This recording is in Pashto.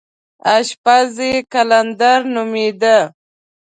اشپز یې قلندر نومېده.